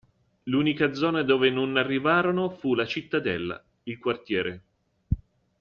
L'unica zona dove non arrivarono fu la cittadella, il quartiere.